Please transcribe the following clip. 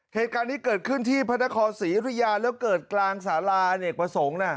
เหตุการณ์นี้เกิดขึ้นที่พระนครศรียุธยาแล้วเกิดกลางสาราอเนกประสงค์น่ะ